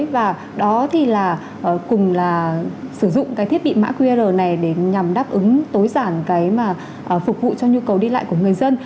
và đó thì là cùng là sử dụng cái thiết bị mã qr này để nhằm đáp ứng tối giản cái mà phục vụ cho nhu cầu đi lại của người dân